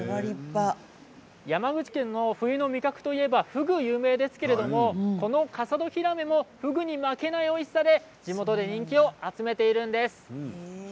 山口県の冬の味覚といえばふぐが有名ですがこの笠戸ひらめもふぐに負けないおいしさで地元でも人気を集めているんです。